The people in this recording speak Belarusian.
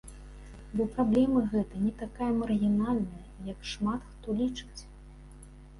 Бо праблема гэта не такая маргінальная, як шмат хто лічыць.